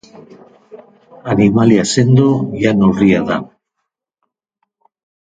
Animalia sendo, jan urria da.